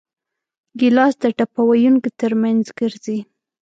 ګیلاس د ټپه ویونکو ترمنځ ګرځي.